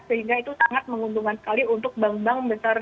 sehingga itu sangat menguntungkan sekali untuk bank bank besar